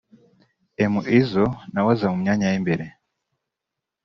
M-Izzo na we aza mu myanya y’imbere